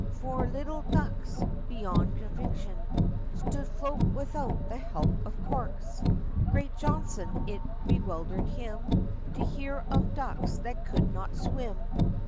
For little ducks, beyond conviction, Should float without the help of corks: Great Johnson, it bewildered him! To hear of ducks that could not swim.